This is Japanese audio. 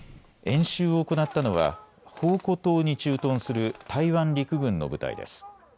演習を行ったのは澎湖島に駐屯する台湾陸軍の部隊です。